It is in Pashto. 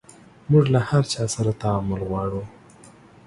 موژ له هر چا سره تعامل غواړو